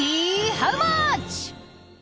ハウマッチ！